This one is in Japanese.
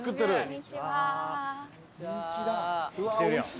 こんにちは。